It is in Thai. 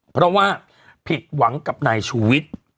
เพราะว่าผิดหวังกับนายชูวิทย์